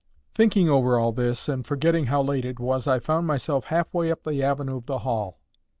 Thinking over all this, and forgetting how late it was, I found myself half way up the avenue of the Hall.